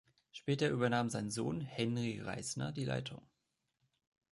Später übernahm sein Sohn Henry Reisner die Leitung.